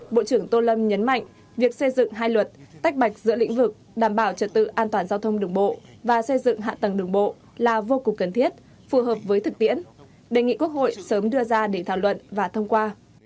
bộ trưởng tô lâm nhấn mạnh việc xây dựng hai luật tách bạch giữa lĩnh vực đảm bảo trật tự an toàn giao thông đường bộ và xây dựng hạ tầng đường bộ là vô cùng cần thiết phù hợp với thực tiễn đề nghị quốc hội sớm đưa ra để thảo luận và thông qua